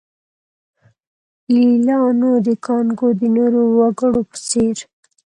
لېلیانو د کانګو د نورو وګړو په څېر.